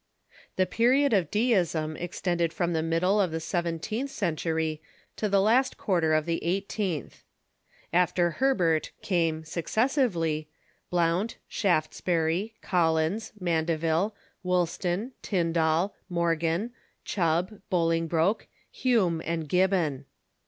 The period of Deism extended from the middle of the seventeenth century to the last quarter of the eighteenth. After Herbert came, successively, Blount, Shaftesbury, Collins, Mandeville, Woolston, Tindal, Morgan, Chubb, Bolingbroke, Hume, and Gibbon.